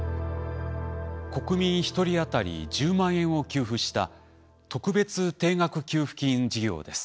国民１人当たり１０万円を給付した特別定額給付金事業です。